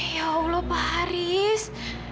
ya allah pak haris